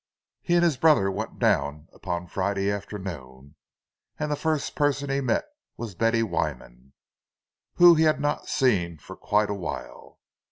He and his brother went down upon Friday afternoon, and the first person he met was Betty Wyman, whom he had not seen for quite a while.